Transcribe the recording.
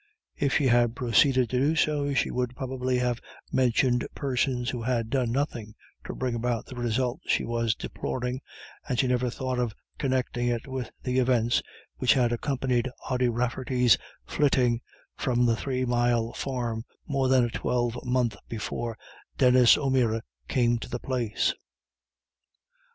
If she had proceeded to do so, she would probably have mentioned persons who had done nothing to bring about the result she was deploring, and she never thought of connecting it with the events which had accompanied Ody Rafferty's flitting from the Three Mile Farm more than a twelvemonth before Denis O'Meara came to the place.